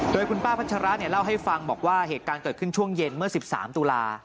โดยคุณป้าพัชระเล่าให้ฟังบอกว่าเหตุการณ์เกิดขึ้นช่วงเย็นเมื่อ๑๓ตุลา